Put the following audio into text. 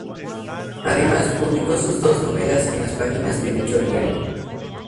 Además, publicó sus dos novelas en las páginas de dicho diario.